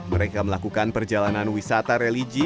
mereka melakukan perjalanan wisata religi